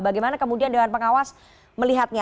bagaimana kemudian dewan pengawas melihatnya